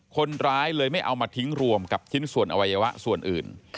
คนร้ายเลยไม่เอามาทิ้งรวมกับชิ้นเอาง่ายวะและหล่ำส่วนอื่น